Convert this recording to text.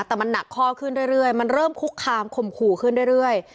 แต่มันหนักข้อขึ้นเรื่อยมันเริ่มคุกคามข่มขู่ขึ้นเรื่อย